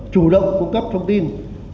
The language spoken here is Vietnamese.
chủ động cung cấp thông tin